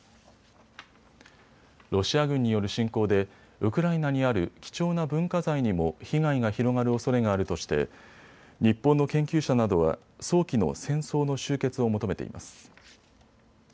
ロシア軍による侵攻でウクライナにある貴重な文化財にも被害が広がるおそれがあるとして日本の研究者などは早期の戦争の終結を求めています。